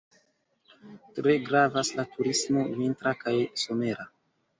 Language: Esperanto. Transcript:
Tre gravas la turismo vintra kaj somera.